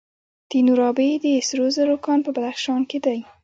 د نورابې د سرو زرو کان په بدخشان کې دی.